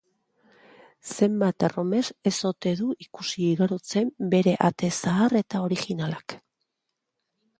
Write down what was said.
Zenbat erromes ez ote du ikusi igarotzen bere ate zahar eta originalak.